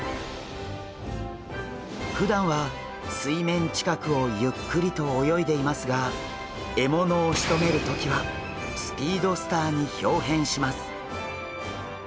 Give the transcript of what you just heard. ふだんは水面近くをゆっくりと泳いでいますが獲物をしとめる時はスピードスターにひょう変します。